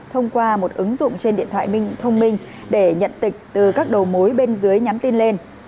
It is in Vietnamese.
thông qua một ứng dụng trên điện thoại thông minh để nhận tịch từ các đầu mối bên dưới nhắn tin lên